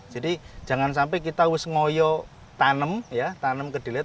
jadi jangan sampai kita wisngoyo tanem ya tanem kedelai